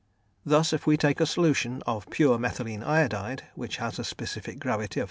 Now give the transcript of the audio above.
Thus, if we take a solution of pure methylene iodide, which has a specific gravity of 3.